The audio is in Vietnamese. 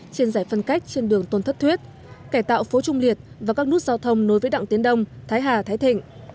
trên giải phân cách trên đường tôn thất thuyết kẻ tạo phố trung liệt và các nút giao thông nối với đặng tiến đông thái hà thái thịnh